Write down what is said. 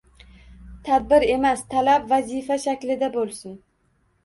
Tadbir emas talab, vazifa shaklida boʻlsin.